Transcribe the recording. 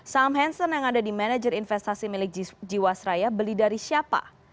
saham hansen yang ada di manajer investasi milik jiwasraya beli dari siapa